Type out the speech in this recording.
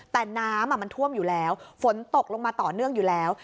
แต่น้ำมันท่วมอยู่แล้วฝนตกลงมาต่อเนื่องอยู่แล้ว